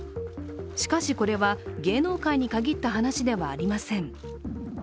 しかしこれは、芸能界に限った話ではありません。